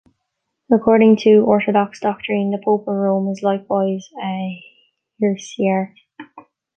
According to Orthodox doctrine, the Pope of Rome is likewise a heresiarch.